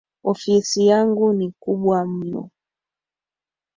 Ofisi yangu ni kubwa mno